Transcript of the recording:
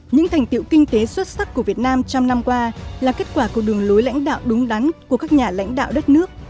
những thành tiệu kinh tế xuất sắc của việt nam trong năm qua là kết quả của đường lối lãnh đạo đúng đắn của các nhà lãnh đạo đất nước